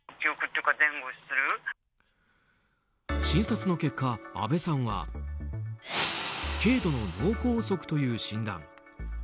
診察の結果、あべさんは軽度の脳梗塞という診断。